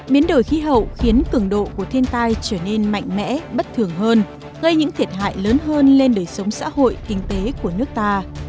biến đổi khí hậu khiến cường độ của thiên tai trở nên mạnh mẽ bất thường hơn gây những thiệt hại lớn hơn lên đời sống xã hội kinh tế của nước ta